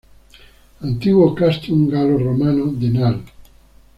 Antiguo castrum galo-romano de Nal